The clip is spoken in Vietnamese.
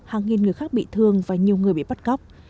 hàng nghìn người khác bị thương và nhiều người bị bắt cóc